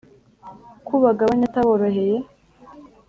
Ko ubagabanya ataboroheye